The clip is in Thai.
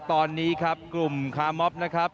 ตอนนี้ครับกลุ่มคาร์มอบนะครับ